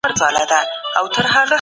زکات د فقر د له منځه وړلو لاره ده.